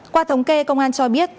qua thống kê công an cho biết